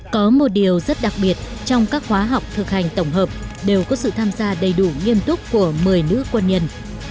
có một điều rất đặc biệt trong các khóa học thực hành tổng hợp đều có sự tham gia đầy đủ nghiêm túc của một mươi nữ quân nhân